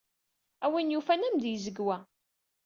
A win yufan, ad am-d-yezg wa.